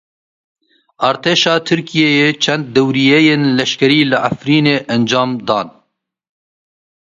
Artêşa Tirkiyeyê çend dewriyeyên leşkerî li Efrînê encam dan.